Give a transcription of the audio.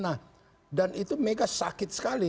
nah dan itu mega sakit sekali